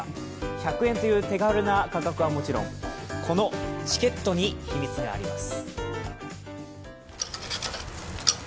１００円という手軽な価格はもちろんこのチケットに秘密があります。